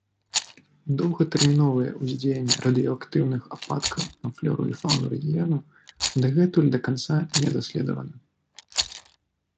Доўгатэрміновае ўздзеянне радыеактыўных ападкаў на флёру і фаўну рэгіёну дагэтуль да канца не даследавана.